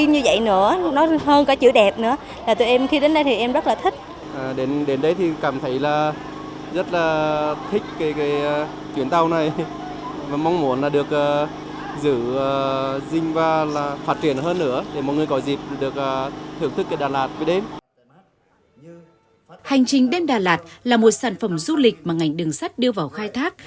hành trình đêm đà lạt là một sản phẩm du lịch mà ngành đường sắt đưa vào khai thác